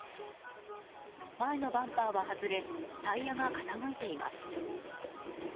前のバンパーは外れタイヤが傾いています。